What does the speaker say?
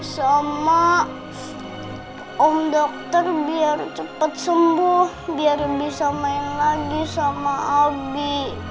sama om dokter biar cepat sembuh biar bisa main lagi sama albi